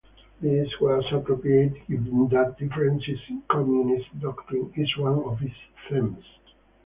This was appropriate given that differences in Communist doctrine is one of its themes.